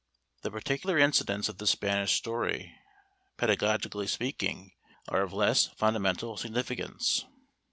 The particular incidents of the Spanish story, pedagogically speaking, are of less fundamental significance.